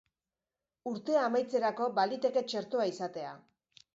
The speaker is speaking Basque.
Urtea amaitzerako baliteke txertoa izatea.